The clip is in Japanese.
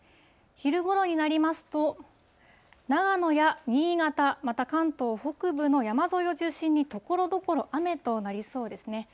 昼ごろになりますと、長野や新潟、また関東北部の山沿いを中心に、ところどころ、雨となりそうですね。